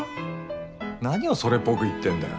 何をそれっぽく言ってんだよ。